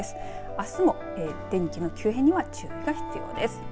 あすも天気の急変には注意が必要です。